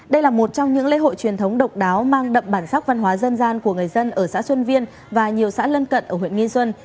đây là một trong những lễ hội truyền thống độc đáo mang đậm bản sắc văn hóa dân gian của người dân ở xã xuân viên và nhiều xã lân cận ở huyện nghi xuân